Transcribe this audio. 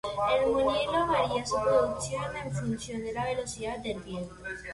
El molino varía su producción en función de la velocidad del viento.